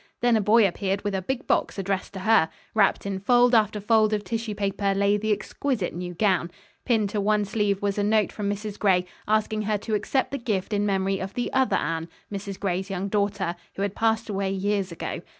Then a boy appeared with a big box addressed to her. Wrapped in fold after fold of tissue paper lay the exquisite new gown. Pinned to one sleeve was a note from Mrs. Gray, asking her to accept the gift in memory of the other Anne Mrs. Gray's young daughter who had passed away years ago.